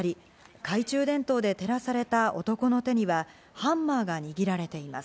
懐中電灯で照らされた男の手にはハンマーが握られています。